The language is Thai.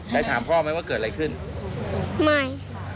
ได้ถามพ่อไหมว่าเกิดอะไรขึ้นไม่ค่ะ